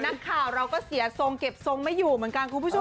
นักข่าวเราก็เสียทรงเก็บทรงไม่อยู่เหมือนกันคุณผู้ชม